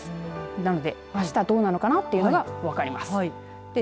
なので、あしたはどうなのかなというのが分かります。